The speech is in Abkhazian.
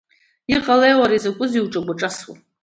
Иҟалеи уара, изакәызеи уҿагәа-ҿасуа?